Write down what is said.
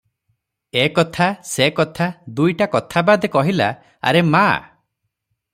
ଏ କଥା, ସେ କଥା, ଦୁଇଟା କଥା ବାଦେ କହିଲା, "ଆରେ ମା!